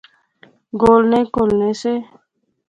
گولنے کہلنے سے